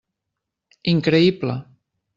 Increïble.